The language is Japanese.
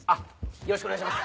よろしくお願いします。